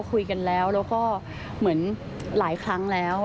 คุยกันแล้วแล้วก็เหมือนหลายครั้งแล้ว